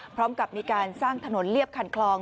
พร้อมกับมีการสร้างถนนเรียบคันคลอง